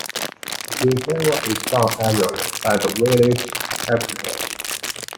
Repair work is done annually by the village carpenter.